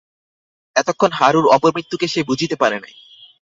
এতক্ষণ হারুর অপমৃত্যুকে সে বুঝিতে পারে নাই।